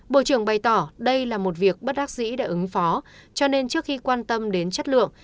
bộ trưởng bày tỏ đây là một việc bất đắc dĩ đã ứng phó cho nên trước khi quan tâm đến chất lượng